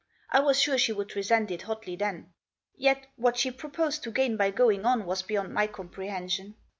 I was sure she would resent it hotly then. Yet what she proposed to gain by going on was beyond my comprehension.